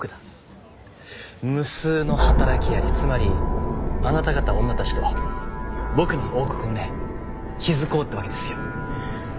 無数の働き蟻つまりあなた方女たちと僕の王国をね築こうってわけですよ。